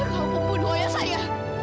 kau pembunuh ayah saya